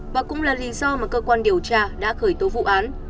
và cũng là lý do mà cơ quan điều tra đã khởi tố vụ án